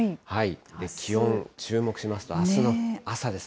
気温注目しますと、あすの朝です